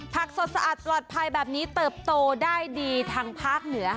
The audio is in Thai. ผักสดสะอัดตรอดภายแบบนี้เติบโตได้ดีทางภาคเหนือ